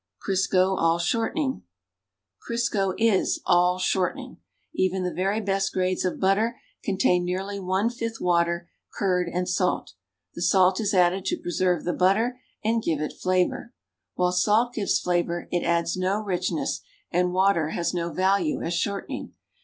CRISCO ALL SHORTENING Crisco is all shortening. Even the very best grades of butter contain nearly one fifth water, curd and salt. The salt is added to preserve the butter and give it flavor. AVhile salt gives flavor it adds no richness and water has no value as shortening.